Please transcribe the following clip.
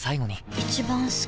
一番好き